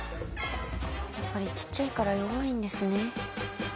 やっぱりちっちゃいから弱いんですよね。